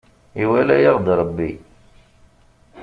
Iwala-yaɣ-d Rebbi.